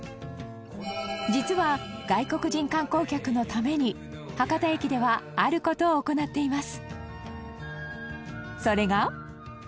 実は、外国人観光客のために博多駅ではある事を行っています